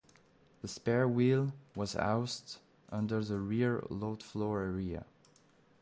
The spare wheel was housed under the rear load floor area.